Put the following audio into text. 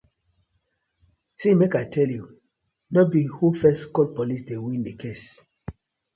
See mek I tell you be who first call Police dey win the case,